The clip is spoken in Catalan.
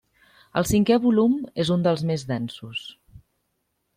El cinquè volum és un dels més densos.